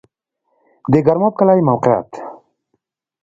د ګرماب کلی موقعیت